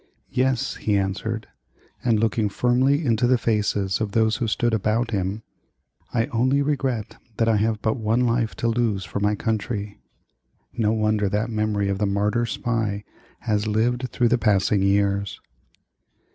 "Yes," he answered; and looking firmly into the faces of those who stood about him, "I only regret that I have but one life to lose for my country," No wonder that the memory of the Martyr Spy has lived through the passing years!